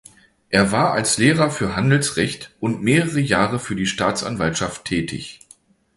Er war als Lehrer für Handelsrecht und mehrere Jahre für die Staatsanwaltschaft tätig.